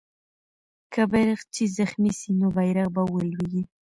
که بیرغچی زخمي سي، نو بیرغ به ولويږي.